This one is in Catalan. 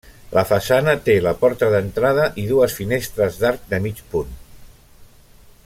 La façana té la porta d'entrada i dues finestres d'arc de mig punt.